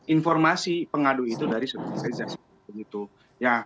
informasi pengadu itu dari saudara saya